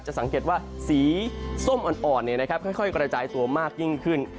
จะสังเกตว่าสีส้มอ่อนเนี่ยนะครับค่อยกระจายตัวมากยิ่งขึ้น